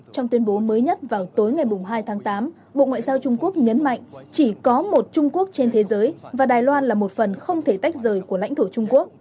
trong tuyên bố mới nhất vào tối ngày hai tháng tám bộ ngoại giao trung quốc nhấn mạnh chỉ có một trung quốc trên thế giới và đài loan là một phần không thể tách rời của lãnh thổ trung quốc